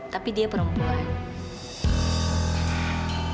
tapi dia perempuan